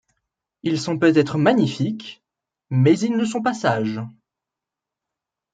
Ils sont peut-être magnifiques, mais ils ne sont pas sages.